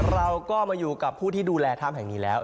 เราก็มาอยู่กับผู้ที่ดูแลถ้ำแห่งนี้แล้ว